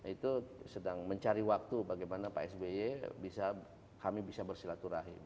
itu sedang mencari waktu bagaimana pak sby bisa kami bisa bersilaturahim